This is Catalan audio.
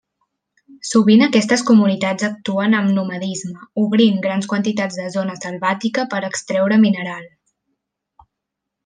Sovint aquestes comunitats actuen amb nomadisme, obrint grans quantitats de zona selvàtica per extreure mineral.